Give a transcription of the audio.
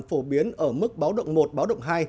phổ biến ở mức báo động một báo động hai